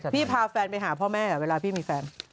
พาแฟนไปหาพ่อแม่เวลาพี่มีแฟน